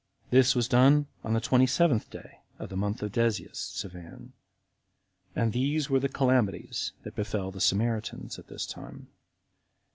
This was done on the twenty seventh day of the month Desius [Sivan]. And these were the calamities that befell the Samaritans at this time.